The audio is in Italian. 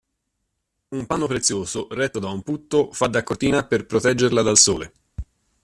Un panno prezioso, retto da un putto, fa da cortina per proteggerla dal sole.